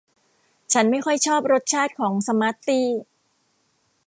ฉันไม่ค่อยชอบรสชาติของสมาร์ทตี้